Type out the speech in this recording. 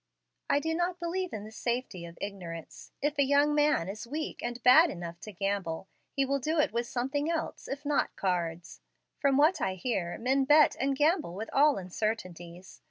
"I do not believe in the safety of ignorance. If a young man is weak and bad enough to gamble, he will do it with something else, if not cards. From what I hear, men bet and gamble with all uncertainties.